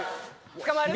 捕まえる？